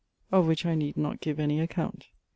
Of which I nede not giue any account.